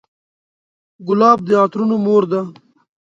ګلاب د عطرونو مور ده.